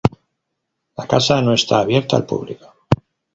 La casa no está abierta al público.